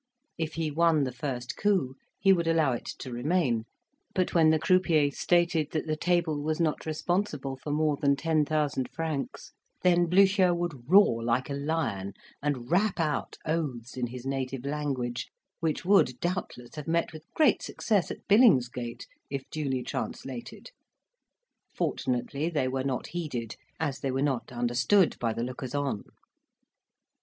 If he won the first coup, he would allow it to remain; but when the croupier stated that the table was not responsible for more than ten thousand francs, then Blucher would roar like a lion, and rap out oaths in his native language, which would doubtless have met with great success at Billingsgate, if duly translated: fortunately, they were not heeded, as they were not understood by the lookers on.